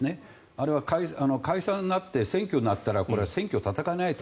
あれは解散になって選挙になったらこれ、選挙戦えないと。